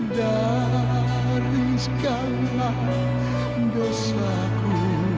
dari segala dosaku